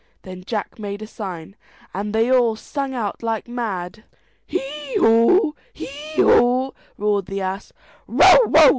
Then Jack made a sign, and they all sung out like mad. "Hee haw, hee haw!" roared the ass; "bow wow!"